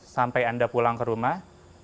sampai anda pulang ke rumah